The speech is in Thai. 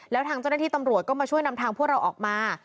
แล้วทางเจ้าหน้าที่ตำรวจก็มาช่วยนำทางพวกเราออกมา